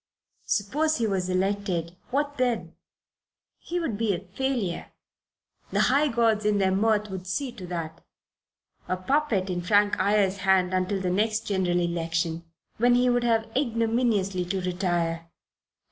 Suppose he was elected what then? He would be a failure the high gods in their mirth would see to that a puppet in Frank Ayres' hands until the next general election, when he would have ignominiously to retire.